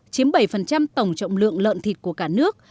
chiếm bảy tổng trọng lượng lợn thịt của cả nước